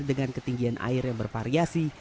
dengan ketinggian air yang bervariasi